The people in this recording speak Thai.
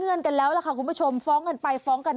เพิ่มรูปลา๘๒เป็นเป้นในวักผลแจ้งคุณผู้ชมคอนทนไปฟ้องกัน